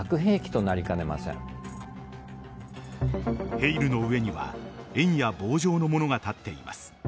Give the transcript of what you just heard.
「ヘイル」の上には円や棒状の物が立っています。